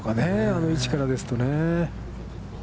あの位置からですとね。